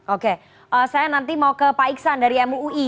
oke saya nanti mau ke pak iksan dari mui